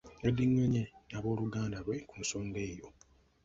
Yaddinganye n'aboluganda lwe ku nsonga eyo.